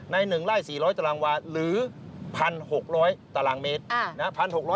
๑ไร่๔๐๐ตารางวาหรือ๑๖๐๐ตารางเมตร